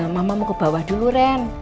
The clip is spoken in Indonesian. mama mau ke bawah dulu ren